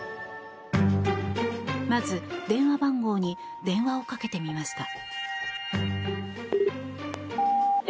まず、電話番号に電話をかけてみました。